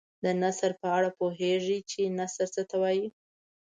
د نثر په اړه پوهیږئ چې نثر څه ته وايي.